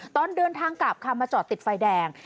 ตอนเดินทางกลับค่ะมาจอดติดไฟแดง